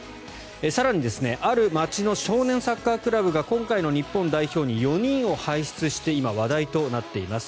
更に、ある街の少年サッカークラブが今回の日本代表に４人を輩出して今、話題となっています。